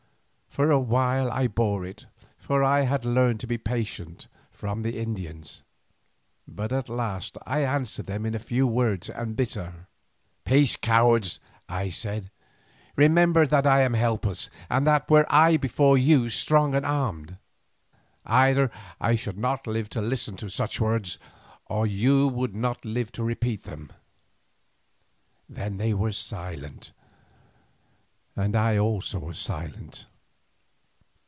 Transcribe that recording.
For a while I bore it, for I had learned to be patient from the Indians, but at last I answered them in few words and bitter. "Peace, cowards," I said; "remember that I am helpless, and that were I before you strong and armed, either I should not live to listen to such words, or you would not live to repeat them." Then they were silent, and I also was silent.